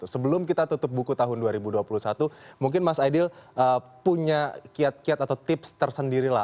sebelum kita tutup buku tahun dua ribu dua puluh satu mungkin mas aidil punya kiat kiat atau tips tersendiri lah